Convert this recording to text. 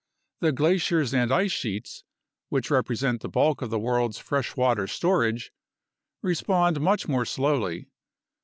The glaciers and ice sheets (which represent the bulk of the world's freshwater storage) respond much more slowly.